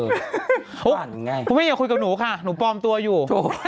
คุณแม่อย่าคุยกับหนูค่ะหนูปลอมตัวอยู่